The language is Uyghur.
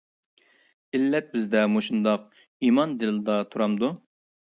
ئىللەت بىزدە مۇشۇنداق ئىمان دىلدا تۇرامدۇ؟ .